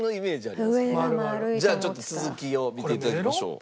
じゃあちょっと続きを見てみましょう。